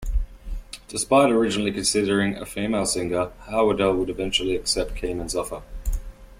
Despite originally considering a female singer, Howerdel would eventually accept Keenan's offer.